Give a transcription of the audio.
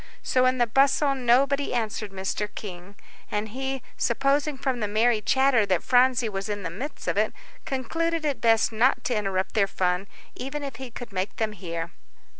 So in the bustle, nobody answered Mr. King. And he, supposing from the merry chatter that Phronsie was in the midst of it, concluded it best not to interrupt their fun, even if he could make them hear.